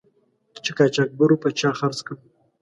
چې قاچاقبرو په چا خرڅ کړی.